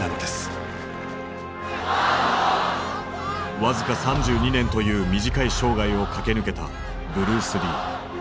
僅か３２年という短い生涯を駆け抜けたブルース・リー。